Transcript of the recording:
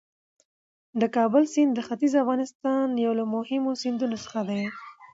د کابل سیند د ختیځ افغانستان یو له مهمو سیندونو څخه دی.